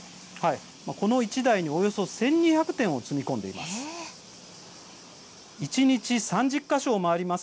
この１台におよそ１２００点を積み込んでいます。